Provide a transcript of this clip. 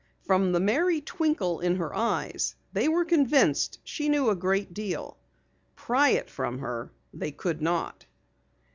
From the merry twinkle in her eyes they were convinced she knew a great deal. Pry it from her they could not.